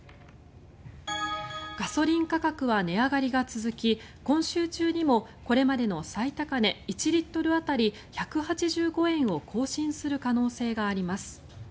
ガソリン価格は値上がりが続き今週中にもこれまでの最高値１リットル当たり１８５円を更新する可能性があります。